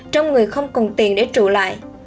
trong người không còn tiền để trụ lại